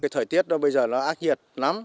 thời tiết bây giờ nó ác nhiệt lắm